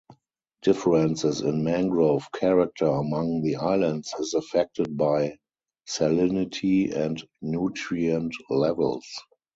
Differences in mangrove character among the islands is affected by salinity and nutrient levels.